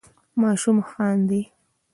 ماشوم خاندي.